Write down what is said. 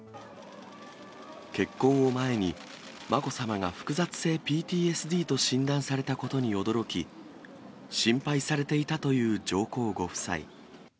結婚を前に、まこさまが複雑性ＰＴＳＤと診断されたことに驚き、心配されていたという上皇ご夫妻。